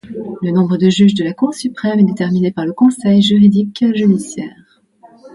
Le nombre de juges de la Cour Suprême est déterminé par le Conseil Juridique-Judiciaire.